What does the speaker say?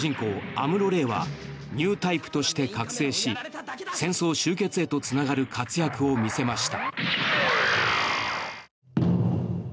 アムロ・レイはニュータイプとして覚醒し戦争終結へとつながる活躍を見せました。